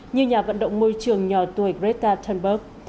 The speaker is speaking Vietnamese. như nhà vận động môi trường nhỏ tuổi greta thunberg